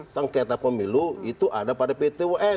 sengketa pemilu itu ada pada pt un